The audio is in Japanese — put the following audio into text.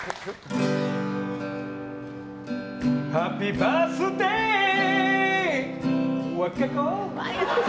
ハッピーバースデー和歌子！